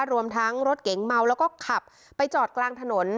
รวมทั้งรถเก๋งเมาแล้วก็ขับไปจอดกลางถนน